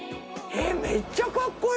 めっちゃかっこいい！